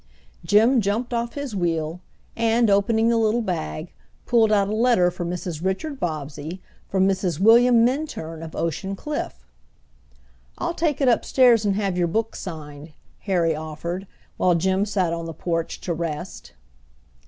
Jim jumped off his wheel and, opening the little bag, pulled out a letter for Mrs. Richard Bobbsey from Mrs. William Minturn of Ocean Cliff. "I'll take it upstairs and have your book signed," Harry offered, while Jim sat on the porch to rest.